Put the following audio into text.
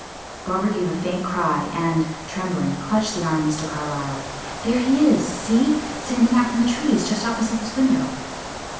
Barbara gave a faint cry, and, trembling, clutched the arm of Mr. Carlyle. "There he is! See! Standing out from the trees, just opposite this window."